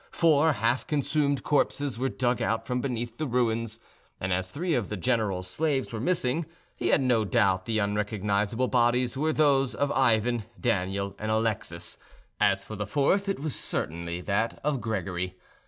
Four half consumed corpses were dug out from beneath the ruins, and as three of the general's slaves were missing, he had no doubt that the unrecognisable bodies were those of Ivan, Daniel, and Alexis: as for the fourth, it was certainly that of Gregory.